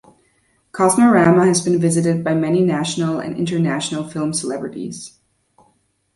Kosmorama has been visited by many national and international film celebrities.